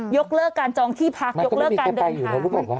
ยกเลิกการจองที่พักยกเลิกการเดินทาง